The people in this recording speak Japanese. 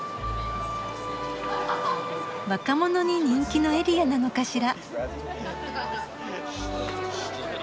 若者に人気のエリアなのかしら？